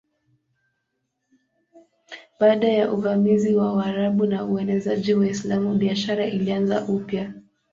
Baada ya uvamizi wa Waarabu na uenezaji wa Uislamu biashara ilianza upya.